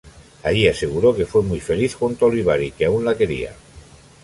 Allí aseguró que fue muy feliz junto a Olivari y que aún la quería.